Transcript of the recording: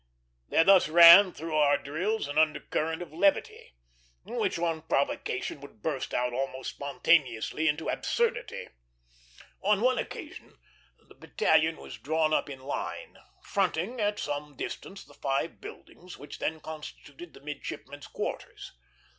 There thus ran through our drills an undercurrent of levity, which on provocation would burst out almost spontaneously into absurdity. On one occasion the battalion was drawn up in line, fronting at some distance the five buildings which then constituted the midshipmen's quarters.